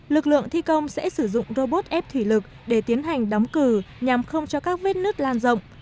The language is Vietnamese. lực lượng thi công sẽ sử dụng robot ép thủy lực để tiến hành đóng cửa nhằm không cho các vết nứt lan rộng